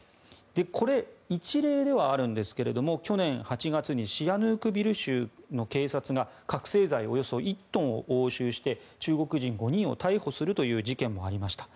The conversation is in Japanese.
これ、一例ではあるんですが去年８月にシアヌークビル州の警察が覚醒剤およそ１トンを押収して中国人５人を逮捕するという事件もありました。